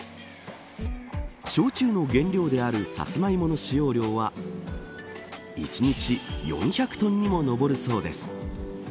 焼酎の原料であるサツマイモの使用量は１日４００トンにも上るそうです。